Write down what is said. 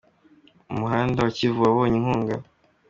Umuhanda wa Kivu wabonye inkunga